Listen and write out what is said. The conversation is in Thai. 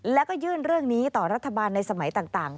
แล้วก็ยื่นเรื่องนี้ต่อรัฐบาลในสมัยต่าง